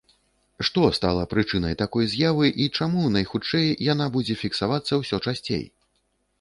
Што стала прычынай такой з'явы і чаму, найхутчэй, яна будзе фіксавацца ўсё часцей?